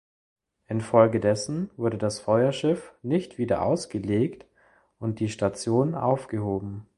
Infolgedessen wurde das Feuerschiff nicht wieder ausgelegt und die Station aufgehoben.